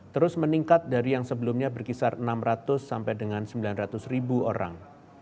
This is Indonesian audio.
terus meningkat dari yang sebelumnya berkisar enam ratus sampai dengan sembilan ratus ribu orang